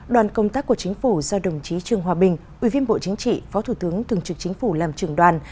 đoàn công tác của chính phủ do đồng chí trường hòa bình ubnd phó thủ tướng thường trực chính phủ làm trường đoàn